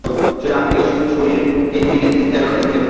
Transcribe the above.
শরীরের আকৃতি ও শরীর এই দুইটিকে তিনি যেন পৃথক করিয়া ফেলেন।